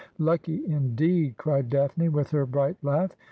' Lucky, indeed!' cried Daphne, with her bright laugh.